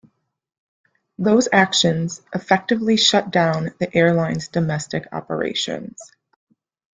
Those actions effectively shut down the airline's domestic operations.